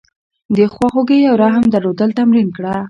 د خواخوږۍ او رحم درلودل تمرین کړه.